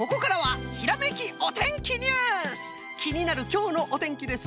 きになるきょうのおてんきです。